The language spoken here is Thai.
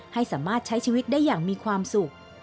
ให้สามารถใช้ชีวิตได้อย่างมีความสุข